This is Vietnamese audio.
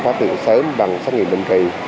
phát hiện sớm bằng xác nghiệm bệnh kỳ